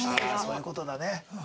そういう事だね。